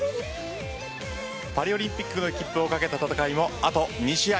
パリオリンピックの切符を懸けた戦いもあと２試合。